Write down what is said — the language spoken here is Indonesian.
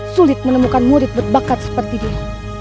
sulit menemukan murid berbakat seperti dia